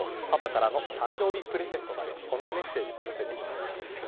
パパからの誕生日プレゼントだよとこんなメッセージを寄せています。